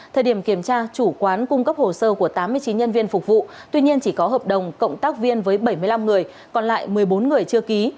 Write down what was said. thời điểm kiểm tra chủ quán cung cấp hồ sơ của tám mươi chín nhân viên phục vụ tuy nhiên chỉ có hợp đồng cộng tác viên với bảy mươi năm người còn lại một mươi bốn người chưa ký